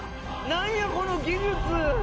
何やこの技術！